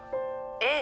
☎ええ。